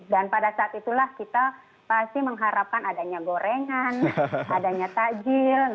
dan pada saat itulah kita pasti mengharapkan adanya gorengan adanya takjil